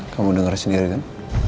kamu dengar sendiri kan